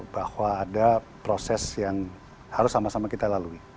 bahwa ada proses yang harus sama sama kita lalui